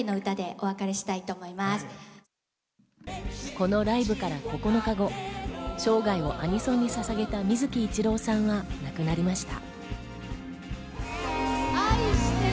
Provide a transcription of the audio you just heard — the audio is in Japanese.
このライブから９日後、生涯をアニソンにささげた水木一郎さんは亡くなりました。